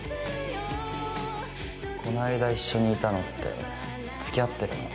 この間一緒にいたのってつきあってるの？